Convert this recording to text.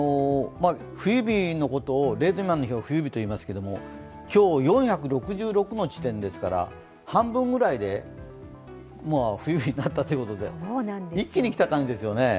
０度未満の日を冬日といいますが、今日、４６６の地点ですから半分ぐらいで冬日になったということで一気に来た感じですよね。